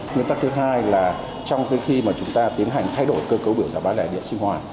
nguyên tắc thứ hai là trong khi mà chúng ta tiến hành thay đổi cơ cấu biểu giá bán lẻ điện sinh hoạt